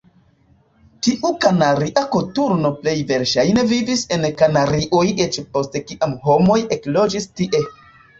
Tiu Kanaria koturno plej verŝajne vivis en Kanarioj eĉ post kiam homoj ekloĝis tie.